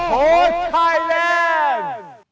โอ้โหไทยแลนด์